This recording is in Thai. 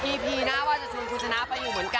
คุณผู้ชื่อนะว่าจะชูนคุณชนะไปอยู่เหมือนกัน